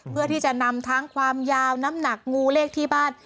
เพื่อที่จะนำทั้งความยาวน้ำหนักงูเลขที่บ้าน